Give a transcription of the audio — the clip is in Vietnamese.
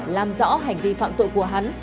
làm rõ hành vi phạm tội của hắn